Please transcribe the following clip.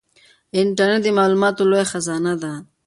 انټرنیټ د معلوماتو لویه خزانه ده.